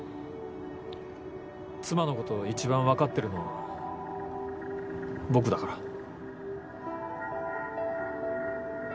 妻のことを一番分かってるのは僕だから。